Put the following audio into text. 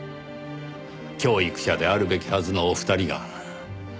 教育者であるべきはずのお二人が。